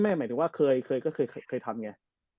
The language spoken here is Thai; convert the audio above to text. หมายถึงว่าเคยก็เคยทำไง